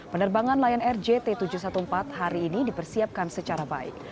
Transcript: penerbangan lion air jt tujuh ratus empat belas hari ini dipersiapkan secara baik